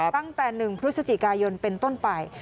ตั้งแต่๑พฤศจิกายนเป็นต้นไป